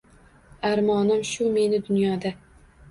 Armonim shu meni Dunyoda